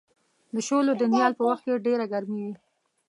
د شولو د نیال په وخت کې ډېره ګرمي وي.